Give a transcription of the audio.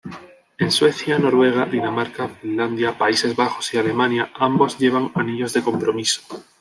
En Suecia, Noruega, Dinamarca, Finlandia, Países Bajos, y Alemania, ambos llevan anillos de compromiso.